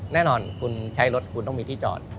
แน่นอนคุณใช้รถคุณต้องมีที่จอด